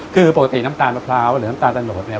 คือปกติน้ำตาลมะพร้าวหรือน้ำตาลตะโนดเนี่ย